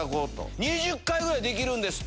２０回ぐらいできるんですって。